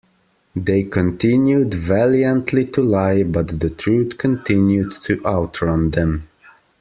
They continued valiantly to lie, but the truth continued to outrun them.